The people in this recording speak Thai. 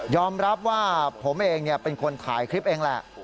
รับว่าผมเองเป็นคนถ่ายคลิปเองแหละ